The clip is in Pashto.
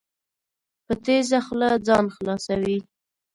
په تېزه خوله ځان خلاصوي.